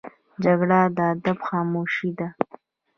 جګړه د ادب خاموشي ده